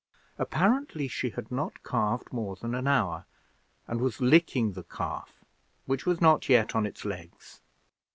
Apparently she had not calved more than an hour, and was licking the calf, which was not yet on its legs.